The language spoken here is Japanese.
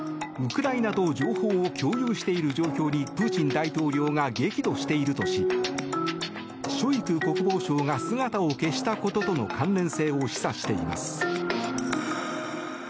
ウクライナと情報を共有している状況にプーチン大統領が激怒しているとしショイグ国防相が姿を消したこととの関連性を示唆しています。